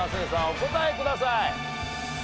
お答えください。